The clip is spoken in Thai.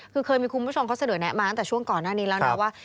คือเคยมีคุณผู้ชมเขาเสนอแนะมาตั้งแต่ช่วงก่อนหน้านี้แล้วนะว่า